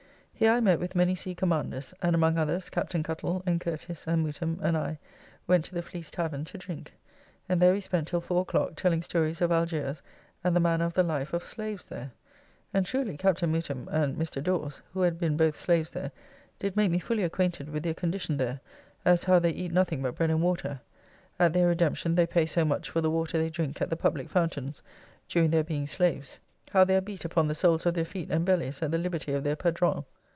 Here I met with many sea commanders, and among others Captain Cuttle, and Curtis, and Mootham, and I, went to the Fleece Tavern to drink; and there we spent till four o'clock, telling stories of Algiers, and the manner of the life of slaves there! And truly Captn. Mootham and Mr. Dawes (who have been both slaves there) did make me fully acquainted with their condition there: as, how they eat nothing but bread and water. At their redemption they pay so much for the water they drink at the public fountaynes, during their being slaves. How they are beat upon the soles of their feet and bellies at the liberty of their padron.